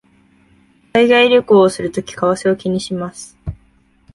海外旅行をするとき為替を気にします